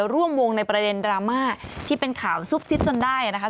ร่วมวงในประเด็นดราม่าที่เป็นข่าวซุบซิบจนได้นะคะ